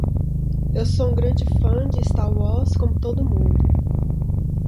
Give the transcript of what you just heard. Eu sou um grande fã de Star Wars como todo mundo.